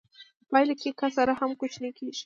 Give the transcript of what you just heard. په پایله کې کسر هم کوچنی کېږي